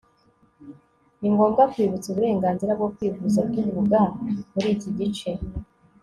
ni ngombwa kwibutsa uburenganzira bwo kwivuza tuvuga muri iki gice